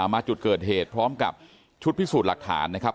มาจุดเกิดเหตุพร้อมกับชุดพิสูจน์หลักฐานนะครับ